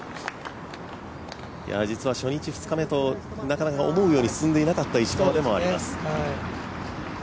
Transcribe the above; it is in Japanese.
実は初日２日目となかなか思うように進んでいなかった石川でもあります。